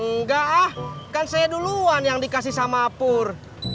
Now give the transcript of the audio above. enggak ah kan saya duluan yang dikasih sama pur